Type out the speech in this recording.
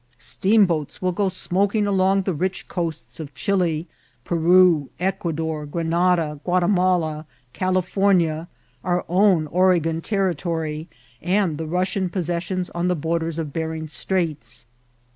Slesmboets will go smoking sloag the riek ooests of Chili, Pern, Eqnsdor, GhreasMia, GnstimskL, Caliiicmua, oar own Oregon Territory, end the Basstan possessions on the borders of Behring's Straits.